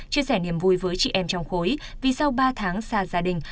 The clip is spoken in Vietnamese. chia sẻ niềm vui với chị em trong khối vì sau ba tháng xa gia đình